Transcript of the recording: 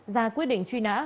ra quyết định truy nã